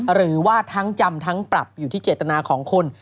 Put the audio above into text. หรือว่าทั้งจำทั้งปรับอยู่ที่เจตนาของคน